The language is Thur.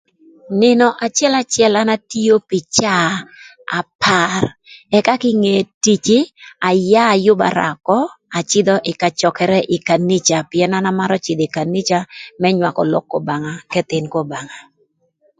Nïnö acëlacël an atio pï caa apar, ëka kinge tic, ayaa ayübara ökö acïdhö ï kacökërë ï kanica pïën an amarö cïdhö ï kanica më nywakö lok k'Obanga k'ëthïn k'Obanga.